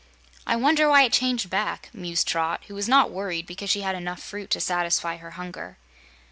"I wonder why it changed back," mused Trot, who was not worried because she had enough fruit to satisfy her hunger.